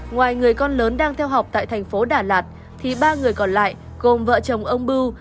ngoài người con lớn đang theo học tại thành phố đà lạt thì ba người còn lại gồm vợ chồng ông bưu